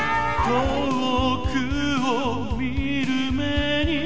遠くを見る目に